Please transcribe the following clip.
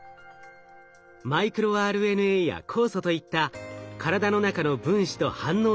マイクロＲＮＡや酵素といった体の中の分子と反応できるＤＮＡ。